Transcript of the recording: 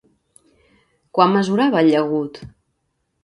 Quant mesurava el llagut?